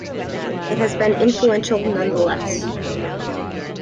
It has been influential nonetheless.